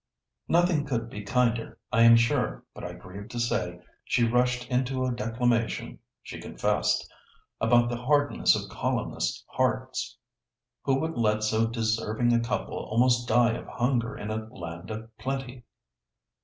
"Nothing could be kinder, I am sure; but I grieve to say, she rushed into a declamation (she confessed) about the hardness of colonists' hearts—who would let so deserving a couple almost die of hunger in a land of plenty."